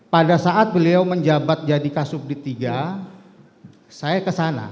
pada saat beliau menjabat jadi kasubdit tiga saya kesana